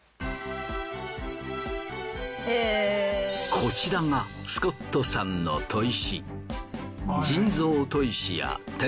こちらがスコットさんの砥石。